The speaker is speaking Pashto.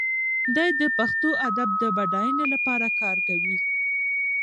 دی د پښتو ادب د بډاینې لپاره کار کوي.